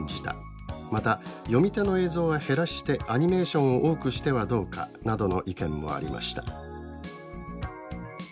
また読み手の映像は減らしてアニメーションを多くしてはどうか」などの意見もありました。